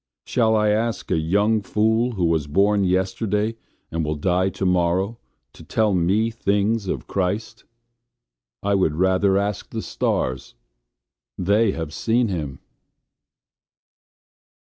Shall I ask a young fool who was born yesterday and will die tomorrow to tell me things of Christ? I would rather ask the stars: they have seen him.